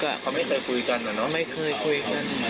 ก็เขาไม่เคยคุยกันอะเนาะไม่เคยคุยกัน